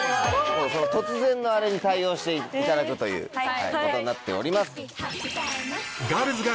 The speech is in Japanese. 突然のあれに対応していただくということになっております。